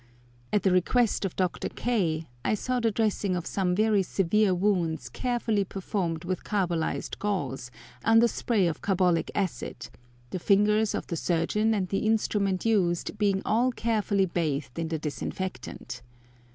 At the request of Dr. K. I saw the dressing of some very severe wounds carefully performed with carbolised gauze, under spray of carbolic acid, the fingers of the surgeon and the instruments used being all carefully bathed in the disinfectant.